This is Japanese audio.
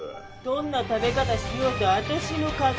どんな食べ方しようと私の勝手。